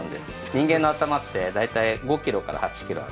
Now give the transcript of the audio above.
人間の頭って大体５キロから８キロあるので。